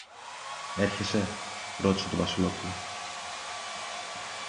Έρχεσαι; ρώτησε το Βασιλόπουλο.